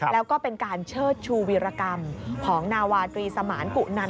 แล้วก็เป็นการเชิดชูวีรกรรมของนาวาตรีสมานกุนัน